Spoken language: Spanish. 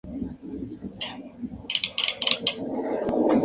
Es profesora honorífica del humor por la Universidad de Alcalá de Henares.